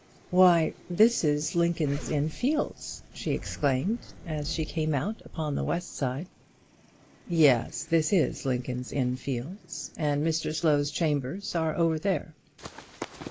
"Why, this is Lincoln's Inn Fields!" she exclaimed, as she came out upon the west side. "Yes; this is Lincoln's Inn Fields, and Mr Slow's chambers are over there."